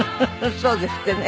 そうですって！